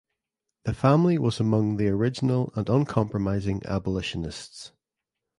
The family was among the original and uncompromising abolitionists.